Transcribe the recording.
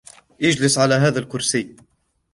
أجلس على هذا الكرسي.